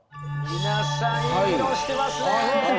皆さんいい議論してますね。